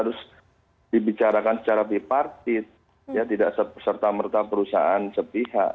harus dibicarakan secara bipartit ya tidak serta merta perusahaan sepihak